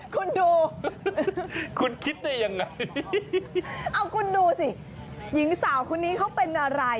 คุณดูคุณคิดได้ยังไงเอาคุณดูสิหญิงสาวคนนี้เขาเป็นอะไร